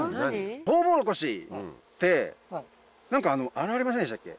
トウモロコシって何かあれありませんでしたっけ？